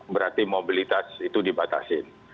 berarti mobilitas itu dibatasin